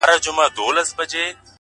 د حقیقت منل ازادي زیاتوي!